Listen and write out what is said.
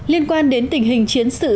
liên quan đến tình hình chiến sự